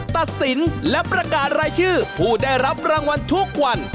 ตัดสินและประกาศรายชื่อผู้ได้รับรางวัลทุกวัน